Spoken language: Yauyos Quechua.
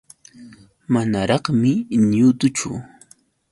Manaraqmi ñutuchu.